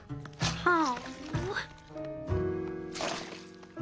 はあ？